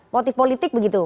motif politik begitu